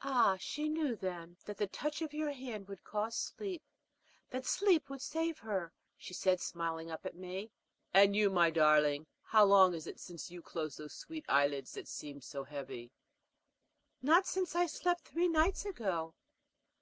"Ah, she knew, then, that the touch of your hand would cause sleep, that sleep would save her," she said, smiling up at me. "And you, my darling, how long is it since you closed those sweet eyelids that seem so heavy?" "Not since I slept three nights ago."